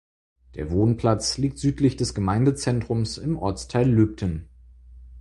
Der Wohnplatz liegt südlich des Gemeindezentrums im Ortsteil Löpten.